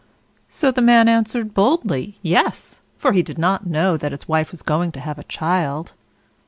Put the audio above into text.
So the man answered boldly, "Yes;" for he did not know that his wife was going to have a child.